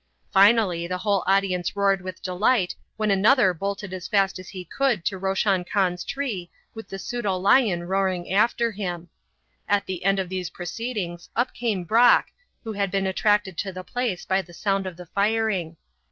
Finally the whole audience roared with delight when another bolted as fast as he could to Roshan Khan's tree with the pseudo lion roaring after him. At the end of these proceedings up came Brock, who had been attracted to the place by the sound of the firing.